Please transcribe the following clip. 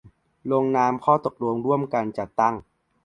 ลงนามข้อตกลงร่วมกันจัดตั้ง